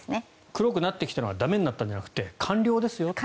黒くなってきたのは駄目になったんじゃなくて完了です。